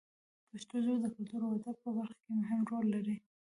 پښتو ژبه د کلتور او ادب په برخه کې مهم رول لري.